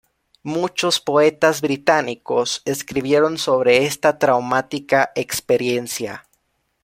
Muchos poetas británicos escribieron sobre esta traumática experiencia.